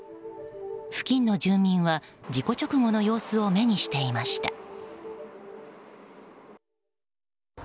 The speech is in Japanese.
付近の住民は事故直後の様子を目にしていました。